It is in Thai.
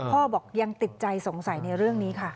พ่อบอกยังติดใจสงสัยในเรื่องนี้ค่ะ